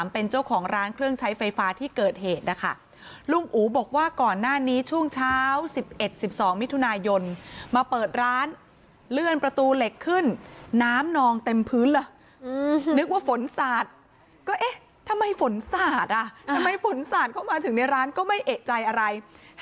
โปรดติดตามตอนต่อไป